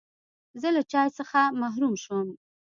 زه له چای څخه محروم شوم.